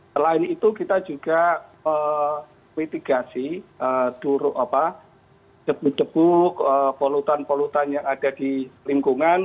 selain itu kita juga kritikasi jepuk jepuk polutan polutan yang ada di lingkungan